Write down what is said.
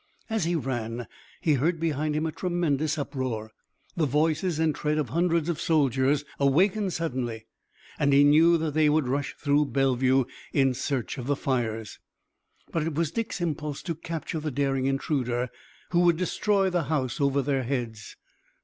As he ran he heard behind him a tremendous uproar, the voices and tread of hundreds of soldiers, awakened suddenly, and he knew that they would rush through Bellevue in search of the fires. But it was Dick's impulse to capture the daring intruder who would destroy the house over their heads.